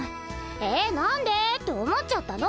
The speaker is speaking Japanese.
え何でって思っちゃったの！